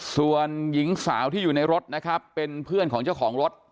ส่วนหญิงสาวที่อยู่ในรถนะครับเป็นเพื่อนของเจ้าของรถ